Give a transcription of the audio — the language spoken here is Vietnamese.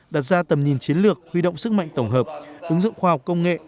đặt ra tầm nhìn chiến lược huy động sức mạnh tổng hợp ứng dụng khoa học công nghệ